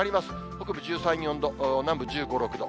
北部１３、４度、南部１５、６度。